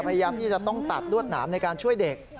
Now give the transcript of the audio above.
พยายามที่จะต้องตัดลวดหนามในการช่วยเด็ก